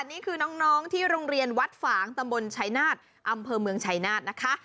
นี่คือน้องที่โรงเรียนวัดฝางตำบลชายนาฏอำเภอเมืองชัยนาธนะคะ